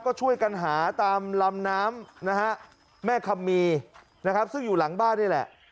ก็ช่วยกันหาตามลำน้ำนะฮะแม่คำมีนะครับซึ่งอยู่หลังบ้านนี่แหละ